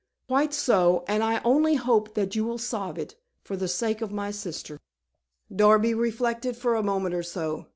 "Quite so, and I only hope that you will solve it, for the sake of my sister." Darby reflected for a moment or so.